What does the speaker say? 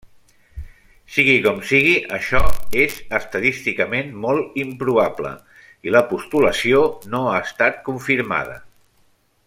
Sigui com sigui, això és estadísticament molt improbable, i la postulació no ha estat confirmada.